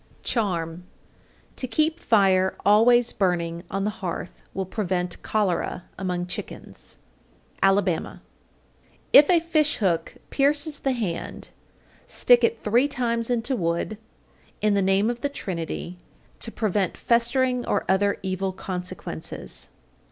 _ CHARM. 816. To keep fire always burning on the hearth will prevent cholera among chickens. Alabama. 817. If a fish hook pierces the hand, stick it three times into wood, in the name of the Trinity, to prevent festering or other evil consequences.